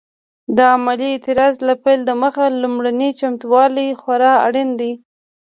د عملي اعتراض له پیل دمخه لومړني چمتووالي خورا اړین دي.